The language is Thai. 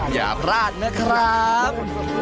อย่าพลาดนะครับ